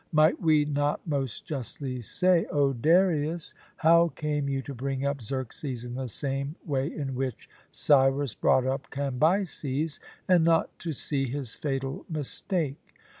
Might we not most justly say: 'O Darius, how came you to bring up Xerxes in the same way in which Cyrus brought up Cambyses, and not to see his fatal mistake?'